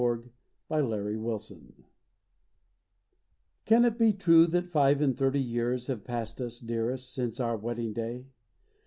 XXIV FAITHFUL FOREVER CAN it be true that five and thirty years Have passed us, dearest, since our wedding day?